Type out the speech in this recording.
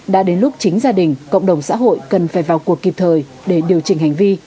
đã đến lúc chính gia đình cộng đồng xã hội cần phải vào cuộc kịp thời để điều chỉnh hành vi